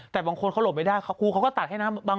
แต่บางคนเขาหลบไม่ได้ครูเขาก็ตัดให้นะ